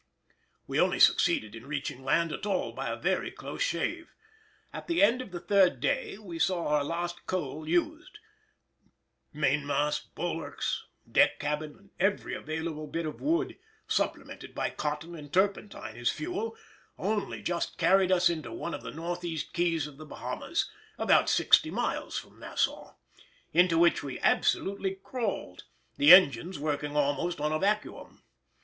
We only succeeded in reaching land at all by a very close shave. At the end of the third day we saw our last coal used; mainmast, bulwarks, deck cabin and every available bit of wood, supplemented by cotton and turpentine as fuel, only just carried us into one of the north east keys of the Bahamas, about sixty miles from Nassau, into which we absolutely crawled, the engines working almost on a vacuum.